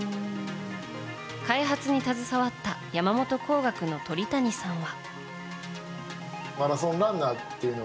開発に携わった山本光学の鳥谷さんは。